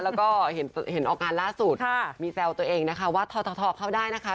แล้วก็เห็นออกงานล่าสุดมีแซวตัวเองนะคะว่าททเข้าได้นะคะ